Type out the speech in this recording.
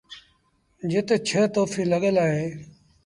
جت ڇه توڦيٚن لڳل اهيݩ۔